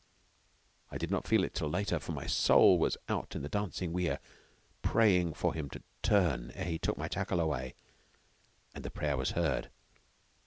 I did not feel it till later, for my soul was out in the dancing weir, praying for him to turn ere he took my tackle away. And the prayer was heard.